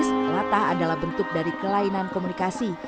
kondisi latah adalah bentuk dari kelainan komunikasi